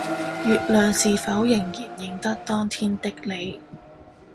月亮是否仍然認得當天的你